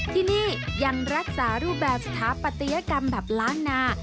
ที่นี่ยังรักษารูปแบบสถาปัตยกรรมแบบล้านนา